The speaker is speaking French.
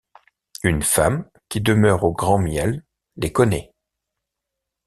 Une femme, qui demeure au Grand-Mielles, les connaît.